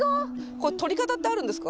これとり方ってあるんですか？